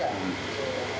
そうだな。